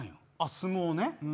相撲ね。